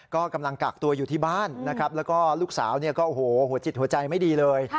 ก็กำลังกากตัวยูที่บ้านแล้วก็ลูกสาวหัวจิตหัวใจไม่ดีเลย